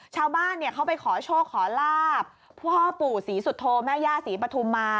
ชาวบ้านเขาไปขอโชคขอลาบพ่อปู่ศรีสุโธแม่ย่าศรีปฐุมมา